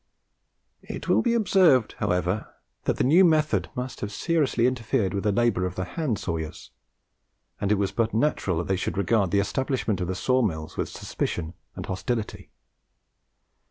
It will be observed, however, that the new method must have seriously interfered with the labour of the hand sawyers; and it was but natural that they should regard the establishment of the saw mills with suspicion and hostility.